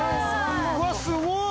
うわすごい！